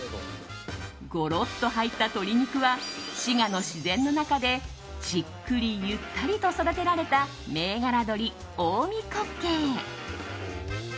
ゴロッと入った鶏肉は滋賀の自然の中でじっくり、ゆったりと育てられた銘柄鶏、近江黒鶏。